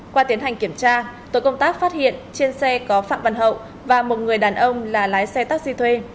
qua tiến hành kiểm tra tổ công tác phát hiện trên xe có phạm văn hậu và một người đàn ông là lái xe taxi thuê